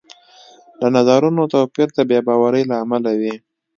د نظرونو توپیر د بې باورۍ له امله وي